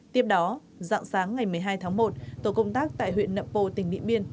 tiếp đó dạng sáng ngày một mươi hai tháng một tổ công tác tại huyện nậm pồ tỉnh điện biên